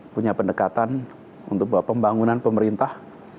punya pendekatan untuk bahwa pembangunan pemerintah